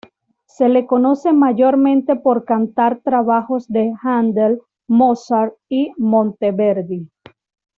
Se le conoce mayormente por cantar trabajos de Händel, Mozart y Monteverdi.